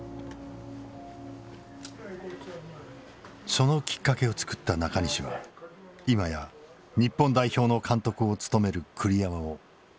そのきっかけを作った中西は今や日本代表の監督を務める栗山をどう見ているのか。